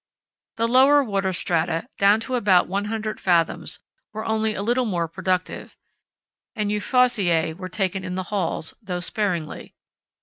The lower water strata, down to about 100 fathoms, were only a little more productive, and Euphausiæ were taken in the hauls—though sparingly.